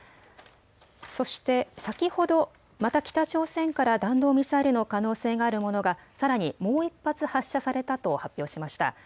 そして先ほどまた北朝鮮から弾道ミサイルの可能性があるものがさらにもう１発発射されたと発表しました。